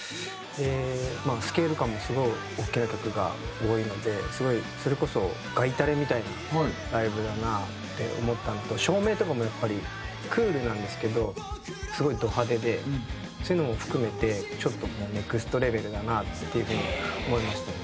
スケール感もすごい大きな曲が多いのですごいそれこそ外タレみたいなライブだなって思ったのと照明とかもやっぱりクールなんですけどすごいド派手でそういうのも含めてちょっともうネクストレベルだなっていう風に思いました。